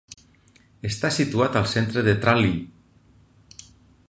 Està situat al centre de Tralee.